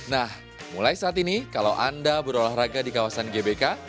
nah mulai saat ini kalau anda berolahraga di kawasan gbk